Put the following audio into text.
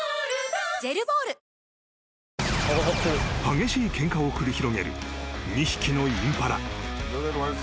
［激しいケンカを繰り広げる２匹のインパラ］